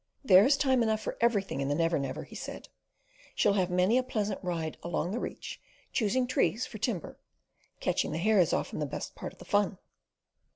"There's time enough for everything in the Never Never," he said. "She'll have many a pleasant ride along the Reach choosing trees for timber. Catching the hare's often the best part of the fun."